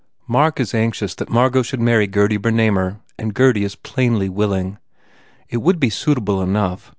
Mark is anxious that Margot should marry Gurdy Ber namer and Gurdy is plainly willing. It would be suitable enough.